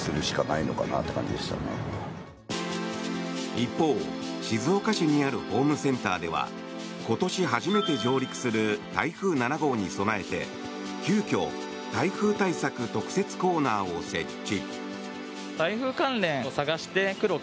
一方、静岡市にあるホームセンターでは今年初めて上陸する台風７号に備えて急きょ、台風対策特設コーナーを設置。